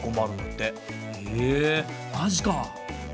へえマジか！